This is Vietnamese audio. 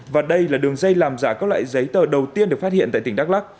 và đây là đường dây làm giả các loại giấy tờ đầu tiên được phát hiện tại tỉnh đắk lắc